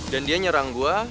dan dia nyerang gue